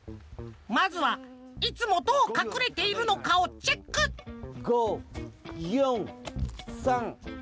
まずはいつもどうかくれているのかをチェック５４３２１。